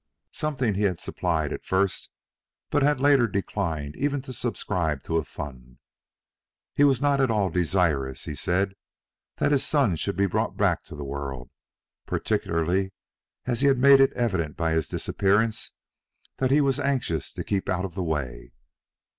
Something he had supplied at first, but had latterly declined even to subscribe to a fund. He was not at all desirous, he said, that his son should be brought back to the world, particularly as he had made it evident by his disappearance that he was anxious to keep out of the way.